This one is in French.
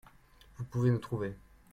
Vous pouvez nous trouver.